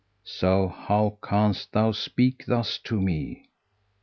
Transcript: '[FN#181] So how canst thou speak thus to me?